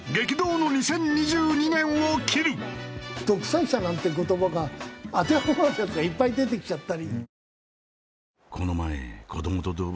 「独裁者」なんて言葉が当てはまるヤツがいっぱい出てきちゃったり。